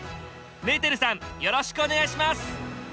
メーテルさんよろしくお願いします。